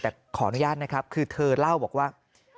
แต่ขออนุญาตนะครับคือเธอเล่าบอกว่า